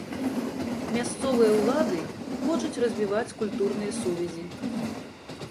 Мясцовыя ўлады хочуць развіваць культурныя сувязі.